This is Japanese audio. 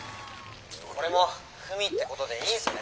これもふみってことでいいんすね？」。